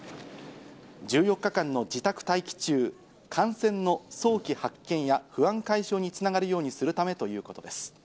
１４日間の自宅待機中、感染の早期発見や不安解消につながるようにするためということです。